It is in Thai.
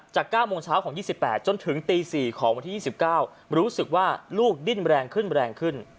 จาก๙โมงเช้าของ๒๘จนถึงตี๔ของ๒๙รู้สึกว่าลูกดิ้นแบรนดร์ขึ้น